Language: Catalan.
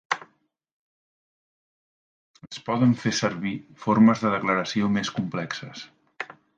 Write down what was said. Es poden fer servir formes de declaració més complexes.